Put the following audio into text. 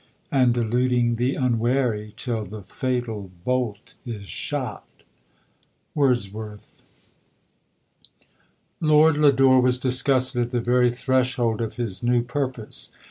And deluding the unwary, Till the fatal bolt is shot ? Wordsworth. Loud Lodore was disgusted at the very threshold of his new purpose.